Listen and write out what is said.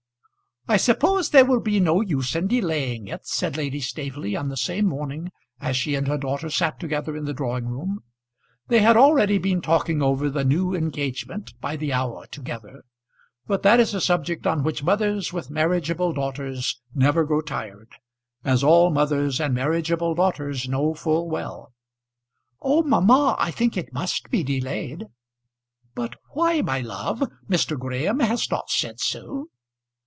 "I suppose there will be no use in delaying it," said Lady Staveley on the same morning as she and her daughter sat together in the drawing room. They had already been talking over the new engagement by the hour, together; but that is a subject on which mothers with marriageable daughters never grow tired, as all mothers and marriageable daughters know full well. "Oh! mamma, I think it must be delayed." "But why, my love? Mr. Graham has not said so?"